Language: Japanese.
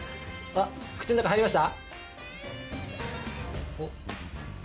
口の中入りました？